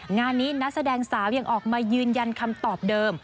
งานนี้นักแสดงสาวยังออกมายืนยันคำตอบเดิม